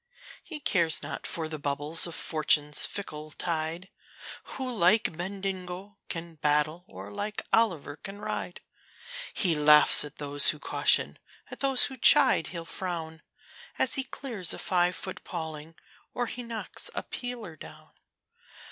He cares not for the bubbles of Fortune's fickle tide, Who like Bendigo can battle, and like Olliver can ride. He laughs at those who caution, at those who chide he'll frown, As he clears a five foot paling, or he knocks a peeler down.